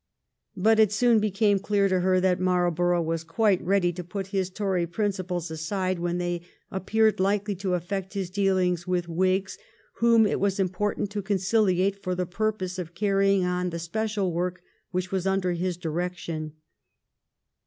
But it soon became clear to her that Marlborough was quite ready to put his Tory principles aside when they appeared likely to affect his dealings with Whigs, whom it was important to conciliate for the purpose of carrying on the special work which was under his direction.